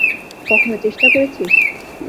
কখনো চেষ্টা করেছিস?